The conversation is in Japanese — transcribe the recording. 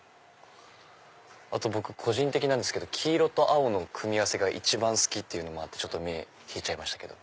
あと僕個人的なんですけど黄色と青の組み合わせが一番好きっていうのもあって目引いちゃいましたけど。